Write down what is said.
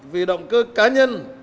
vì động cơ cá nhân